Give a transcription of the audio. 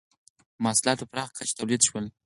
• محصولات په پراخه کچه تولید شول.